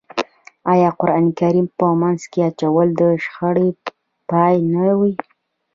آیا قرآن کریم په منځ کې اچول د شخړې پای نه وي؟